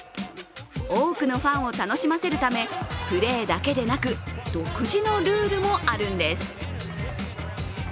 多くのファンを楽しませるためプレーだけでなく独自のルールもあるんです。